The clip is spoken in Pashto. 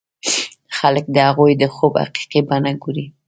خلک د هغوی د خوب حقيقي بڼه ګوري.